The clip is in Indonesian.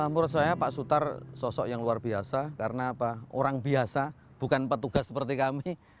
menurut saya pak sutar sosok yang luar biasa karena orang biasa bukan petugas seperti kami